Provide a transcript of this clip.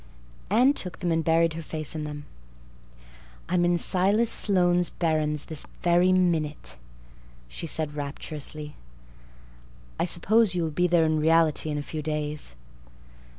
Anne took them and buried her face in them. "I'm in Mr. Silas Sloane's barrens this very minute," she said rapturously. "I suppose you will be there in reality in a few days?"